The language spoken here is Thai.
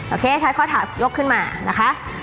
โอเคใช้ข้อถามยกขึ้นมานะคะ